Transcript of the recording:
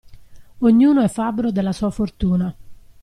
Ognuno è fabbro della sua fortuna.